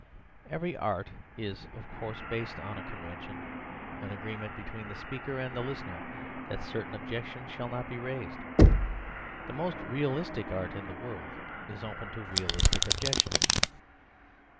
Every art is, of course, based upon a convention, an agreement between the speaker and the listener that certain objections shall not be raised. The most realistic art in the world is open to realistic objection.